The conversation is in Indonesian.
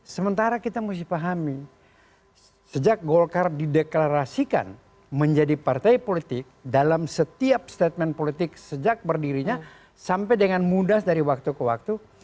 sementara kita mesti pahami sejak golkar dideklarasikan menjadi partai politik dalam setiap statement politik sejak berdirinya sampai dengan mudah dari waktu ke waktu